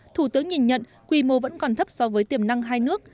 thủ tướng nhìn nhận quy mô vẫn còn thấp so với tiềm năng hai nước